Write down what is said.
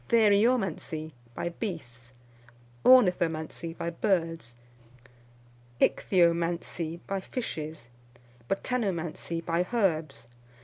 Theriomancy, by beasts. Ornithomancy, by birds. Ichthyomancy, by fishes. Botanomancy, by herbs.